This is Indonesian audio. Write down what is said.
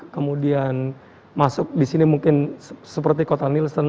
kemudian masuk di sini mungkin seperti kota nielsen